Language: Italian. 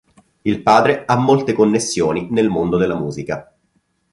Il padre ha molte connessioni nel mondo della musica.